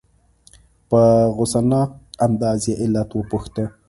په غصناک انداز یې علت وپوښته.